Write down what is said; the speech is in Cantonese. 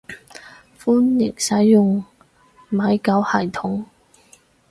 歡迎使用米狗系統